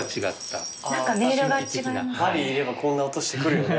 バリいればこんな音してくるよね。